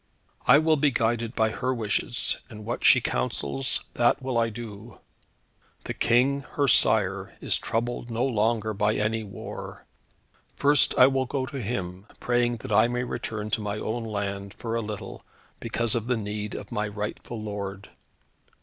I will be guided by her wishes, and what she counsels that will I do. The King, her sire, is troubled no longer by any war. First, I will go to him, praying that I may return to my own land, for a little, because of the need of my rightful lord.